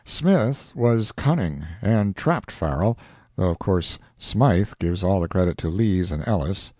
"Smith" was cunning, and trapped Farrell—though of course Smythe gives all the credit to Lees and Ellis.